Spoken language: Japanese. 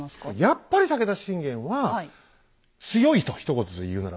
やっぱり武田信玄は強いとひと言で言うならば。